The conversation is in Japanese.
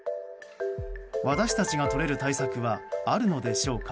私たちが取れる対策はあるのでしょうか。